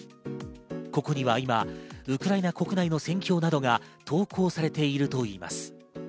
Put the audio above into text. ここには今、ウクライナ国内の戦況などが投稿されているといいます。